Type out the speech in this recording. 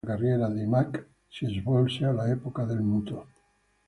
La maggior parte della carriera di Mack si svolse all'epoca del muto.